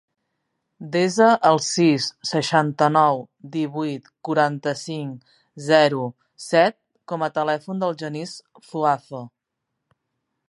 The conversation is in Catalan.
Desa el sis, seixanta-nou, divuit, quaranta-cinc, zero, set com a telèfon del Genís Zuazo.